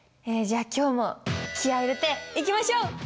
じゃあ今日も気合い入れていきましょう！